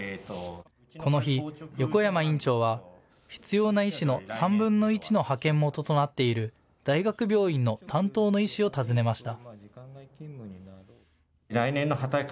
この日、横山院長は必要な医師の３分の１の派遣元となっている大学病院の担当の医師を訪ねました。